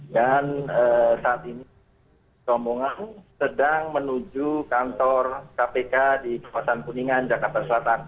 dan saat ini rombongan sedang menuju kantor kpk di kewasan kuningan jakarta selatan